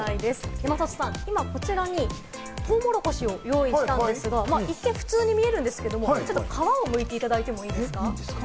山里さん、こちらにトウモロコシを用意したんですが、一見普通に見えるんですけれども、皮をむいていただいてもいいですか？